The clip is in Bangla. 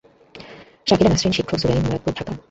শাকিলা নাছরিনশিক্ষক, জুরাইন, মুরাদপুর, ঢাকা।